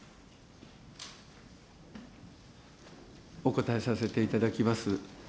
お答えさせていただきます。